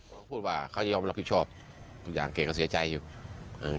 เขาพูดว่าเขายอมรับผิดชอบยางเกกเขาเสียใจอยู่อืม